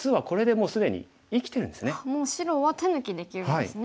もう白は手抜きできるんですね。